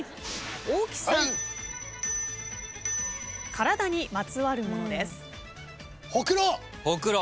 体にまつわるものです。